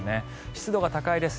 湿度が高いです。